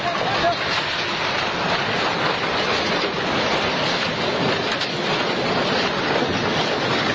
ใช่ค่ะคนที่ถ่ายคลิปก็พยายามตะโกนเรียกว่าให้หนีมาทางนี้ให้หนีมาทางนี้